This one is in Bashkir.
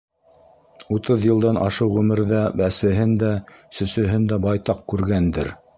Утыҙ йылдан ашыу ғүмерҙә әсеһен дә, сөсөһөн дә байтаҡ күргәндер.